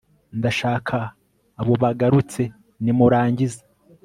ndashaka abo bagarutse nimurangiza